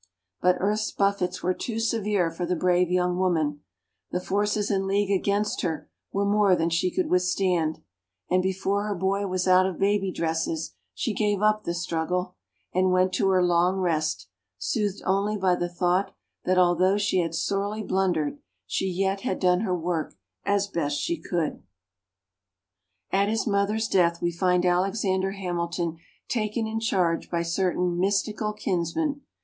But earth's buffets were too severe for the brave young woman; the forces in league against her were more than she could withstand, and before her boy was out of baby dresses she gave up the struggle, and went to her long rest, soothed only by the thought that, although she had sorely blundered, she yet had done her work as best she could. At his mother's death, we find Alexander Hamilton taken in charge by certain mystical kinsmen.